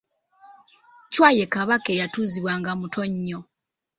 Chwa ye Kabaka eyatuuzibwa nga muto nnyo.